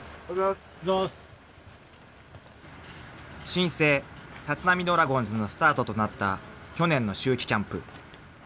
［新生立浪ドラゴンズのスタートとなった去年の秋季キャンプ］